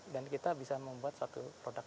dan kita bisa membuat satu produk